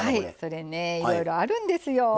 それねいろいろあるんですよ。